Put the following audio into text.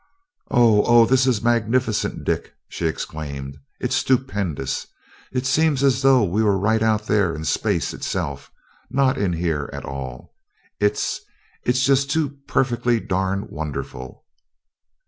"Oh.... Oh ... this is magnificent, Dick!" she exclaimed. "It's stupendous. It seems as though we were right out there in space itself, and not in here at all. It's ... it's just too perfectly darn wonderful!"